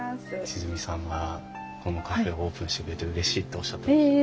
千純さんがこのカフェをオープンしてくれてうれしいっておっしゃってましたよ。